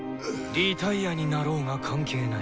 リタイアになろうが関係ない。